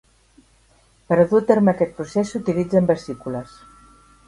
Per a dur a terme aquest procés s’utilitzen vesícules.